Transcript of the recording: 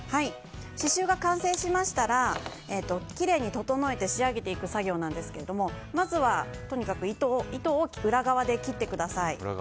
刺しゅうが完成しましたらきれいに整えて仕上げていく作業なんですがまずは、とにかく糸を裏側で切ってください。